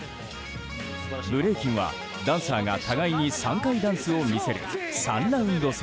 ブレイキンはダンサーが互いに３回ダンスを見せる３ラウンド制。